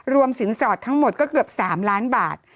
สินสอดทั้งหมดก็เกือบ๓ล้านบาท